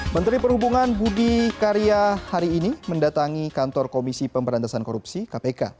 menteri perhubungan budi karya hari ini mendatangi kantor komisi pemberantasan korupsi kpk